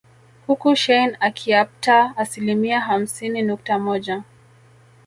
Huku shein akiapta asilimia hamsini nukta moja